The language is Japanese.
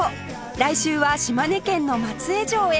来週は島根県の松江城へ